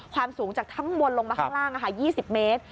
ความสูงจากทั้งบนลงมาข้างล่าง๒๐เมตร